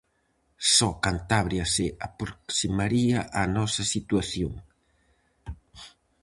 Só Cantabria se aproximaría á nosa situación.